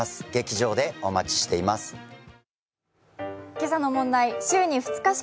今朝の問題。